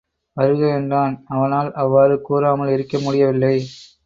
வருக என்றான் அவனால் அவ்வாறு கூறாமல் இருக்க முடியவில்லை.